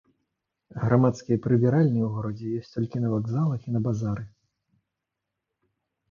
Грамадскія прыбіральні ў горадзе ёсць толькі на вакзалах і на базары.